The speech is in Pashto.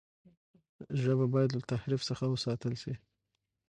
ژبه باید له تحریف څخه وساتل سي.